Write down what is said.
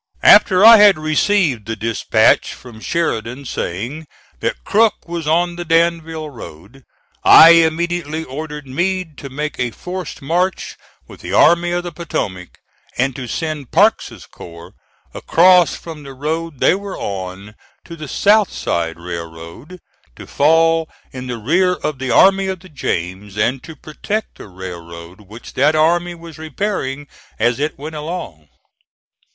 After I had received the dispatch from Sheridan saying that Crook was on the Danville Road, I immediately ordered Meade to make a forced march with the Army of the Potomac, and to send Parke's corps across from the road they were on to the South Side Railroad, to fall in the rear of the Army of the James and to protect the railroad which that army was repairing as it went along.